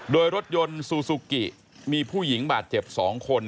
โดยรถยนต์ซูซูกิมีผู้หญิงบาดเจ็บ๒คน